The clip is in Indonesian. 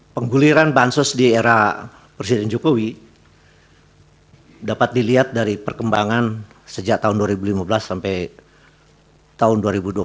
pengguliran bansos di era presiden jokowi dapat dilihat dari perkembangan sejak tahun dua ribu lima belas sampai tahun dua ribu dua puluh satu